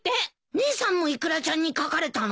姉さんもイクラちゃんに書かれたの？